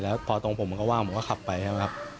แล้วพอตรงผมมันก็ว่างผมก็ขับไปใช่ไหมครับ